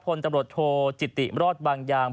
พลตำรวจโทจิติรอดบางยาง